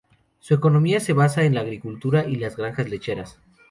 Su economía se basa en la agricultura y las granjas lecheras.